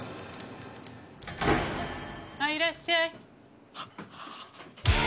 はいいらっしゃい。